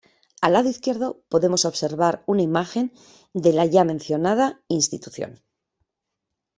Al lado Izquierdo podemos observar una imagen de la Ya mencionada Institución.